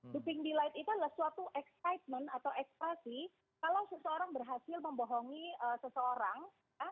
duping delight itu adalah suatu excitement atau ekspresi kalau seseorang berhasil membohongi seseorang